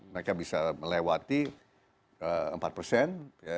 mereka bisa melewati empat persen